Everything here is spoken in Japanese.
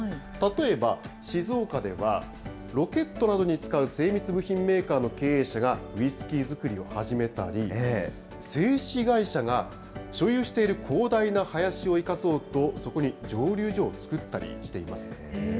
例えば、静岡では、ロケットなどに使う精密部品メーカーの経営者がウイスキー造りを始めたり、製紙会社が、所有している広大な林を生かそうと、そこに蒸留所を作ったりしています。